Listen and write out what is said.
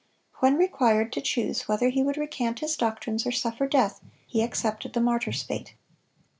When required to choose whether he would recant his doctrines or suffer death, he accepted the martyr's fate.